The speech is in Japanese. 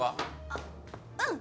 あっうん。